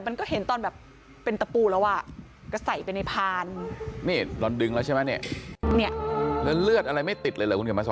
นั่นไงตะปูตัวเบอร์เล่อเลยสีดนิ้วกว่า